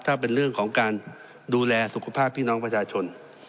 ถ้าเป็นเรื่องของการดูแลสุขภาพพี่น้องประชาชน